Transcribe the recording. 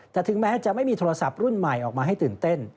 แต่ถึงแม้จะไม่มีโทรศัพท์รุ่นใหม่ออกมาให้ตื่นเต้น